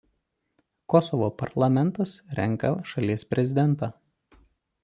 Kosovo parlamentas renka šalies prezidentą.